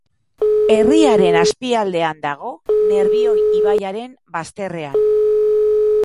Herriaren azpialdean dago, Nerbioi ibaiaren bazterrean.